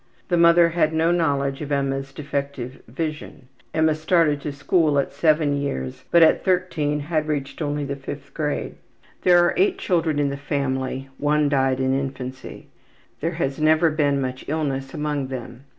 The mother had no knowledge of Emma's defective vision. Emma started to school at 7 years, but at 13 had reached only the 5th grade. There are 8 living children in the family; one died in infancy. There has never been much illness among them.